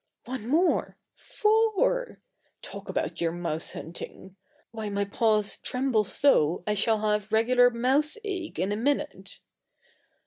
One more four! Talk about your mouse hunting! Why my paws tremble so I shall have regular "mouse ague" in a minute.